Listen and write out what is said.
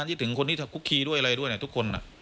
ที่ถึงคนที่คุกคีด้วยอะไรด้วยทุกคน